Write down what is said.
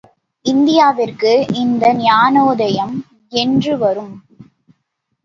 இந்தியாவிற்கு இந்த ஞானோதயம் என்று வரும்!